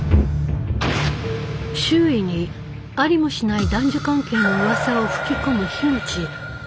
周囲にありもしない男女関係のうわさを吹き込む樋口。